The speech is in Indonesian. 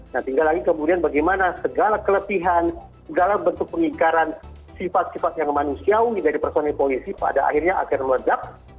nah tinggal lagi kemudian bagaimana segala kelebihan segala bentuk pengingkaran sifat sifat yang manusiawi dari personil polisi pada akhirnya akan meledak